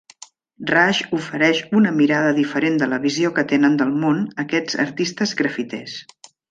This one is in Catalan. "Rash" ofereix una mirada diferent de la visió que tenen del món aquests artistes grafiters.